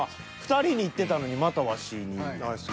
２人にいってたのにまたワシに。